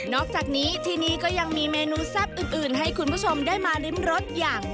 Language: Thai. อกจากนี้ที่นี่ก็ยังมีเมนูแซ่บอื่นให้คุณผู้ชมได้มาริมรสอย่าง